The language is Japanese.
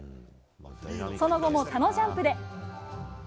その後もタノジャンプで。